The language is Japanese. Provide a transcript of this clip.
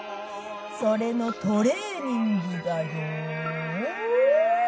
それのトレーニングだようわ！